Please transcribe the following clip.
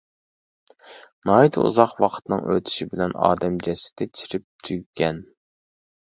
ناھايىتى ئۇزاق ۋاقىتنىڭ ئۆتىشى بىلەن ئادەم جەسىتى چىرىپ تۈگىگەن.